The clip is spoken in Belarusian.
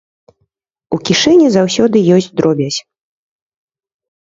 У кішэні заўсёды ёсць дробязь.